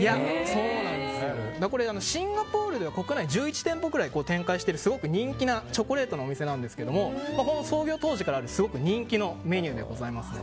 シンガポールで国内１１店舗ぐらい展開している人気のチョコレートのお店なんですけど創業当時からあるすごく人気のメニューでございます。